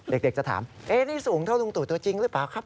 เด็กจะถามนี่สูงเท่าลุงตู่ตัวจริงหรือเปล่าครับ